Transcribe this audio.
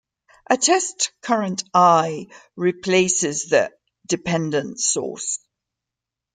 A test current "i" replaces the dependent source.